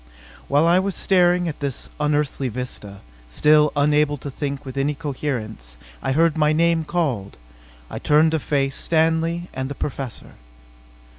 While I was staring at this unearthly vista, still unable to think with any coherence. I heard my name called. I turned to face Stanley and the Professor.